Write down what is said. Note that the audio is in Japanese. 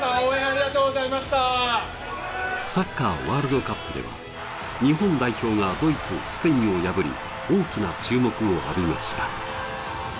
サッカーワールドカップでは日本代表がドイツとスペインを破り、大きな注目を浴びました。